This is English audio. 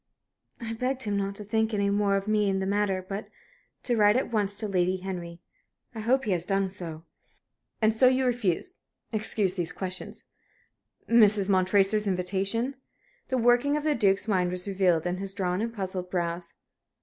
"I begged him not to think any more of me in the matter, but to write at once to Lady Henry. I hope he has done so." "And so you refused excuse these questions Mrs. Montresor's invitation?" The working of the Duke's mind was revealed in his drawn and puzzled brows.